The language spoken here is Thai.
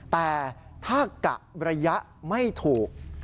แต่ถ้ากะระยะไม่ถูก